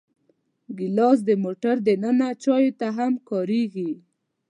ګیلاس د موټر دننه چایو ته هم کارېږي.